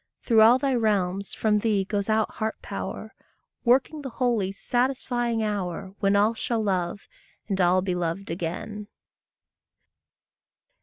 Through all thy realms from thee goes out heart power, Working the holy, satisfying hour, When all shall love, and all be loved again.